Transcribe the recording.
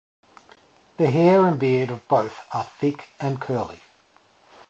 The hair and beard of both are thick and curly.